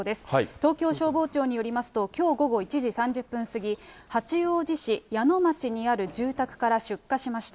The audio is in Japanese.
東京消防庁によりますと、きょう午後１時３０分過ぎ、八王子市やの町にある住宅から出火しました。